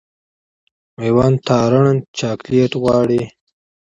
مېوند تارڼ چاکلېټ غواړي.